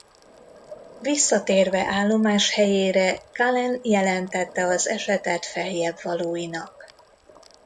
Visszatérve állomáshelyére Cullen jelentette az esetet feljebbvalóinak.